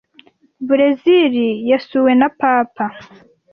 Burezili yasuwe na Papa.